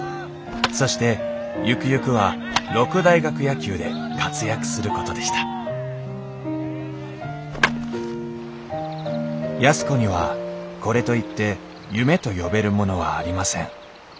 そしてゆくゆくは六大学野球で活躍することでした安子にはこれといって夢と呼べるものはありません。